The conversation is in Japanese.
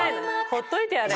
ほっといてやれ。